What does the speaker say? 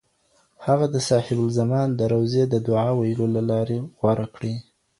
هغه د صاحب الزمان د روضې د دعا د ویلو لارې غوره کړې.